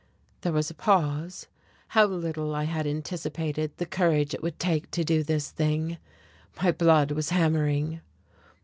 There was a pause. How little I had anticipated the courage it would take to do this thing! My blood was hammering.